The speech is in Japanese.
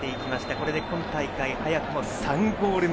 これで今大会早くも３ゴール目。